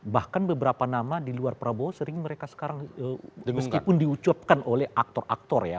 bahkan beberapa nama di luar prabowo sering mereka sekarang meskipun diucapkan oleh aktor aktor ya